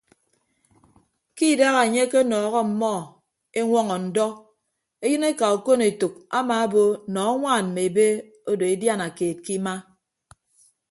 Ke idaha enye akenọọhọ ọmmọ eñwọñọ ndọ eyịneka okon etәk amaabo nọ añwaan mme ebe odo ediana keed ke ima.